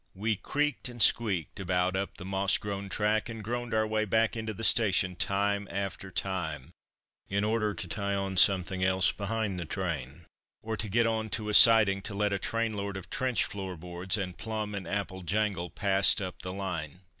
We creaked and squeaked about up the moss grown track, and groaned our way back into the station time after time, in order to tie on something else behind the train, or to get on to a siding to let a trainload of trench floorboards and plum and apple jangle past up the line.